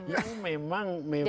yang memang memang